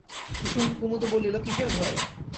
কুমুদ বলিল, কিসের ভয়?